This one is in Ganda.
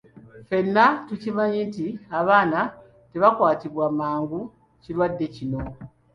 Ffenna tukimanyi nti abaana tebakwatibwa mangu kirwadde kino.